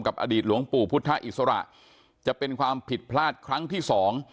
อดีตหลวงปู่พุทธอิสระจะเป็นความผิดพลาดครั้งที่สอง